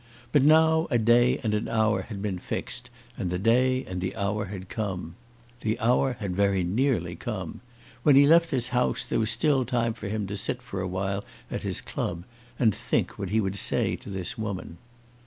But now a day and an hour had been fixed, and the day and the hour had come. The hour had very nearly come. When he left his house there was still time for him to sit for awhile at his club, and think what he would say to this woman.